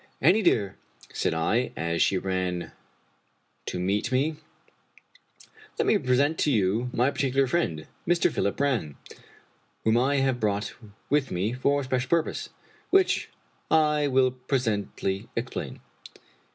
" Annie dear,* said I, as she ran to meet me, " let me present to you my particular friend, Mr. Philip Brann, whom I have brought with me for a special purpose, which I will presently explain."